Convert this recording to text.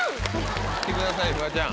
行ってくださいフワちゃん。